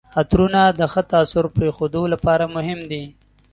عطرونه د ښه تاثر پرېښودو لپاره مهم دي.